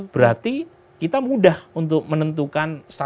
berarti kita mudah untuk menentukan